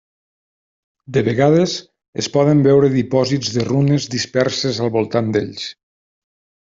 De vegades es poden veure dipòsits de runes disperses al voltant d'ells.